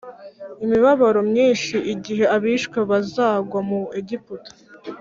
imibabaro myinshi igihe abishwe bazagwa muri Egiputa